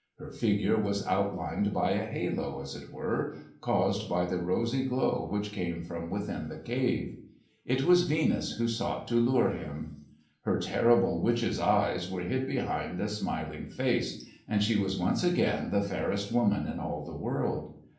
Her figure was outlined by a halo, as it were, caused by the rosy glow which came from within the cave. It was Venus who sought to lure him. Her terrible witches' eyes were hid behind a smiling face, and she was once again the fairest woman in all the world.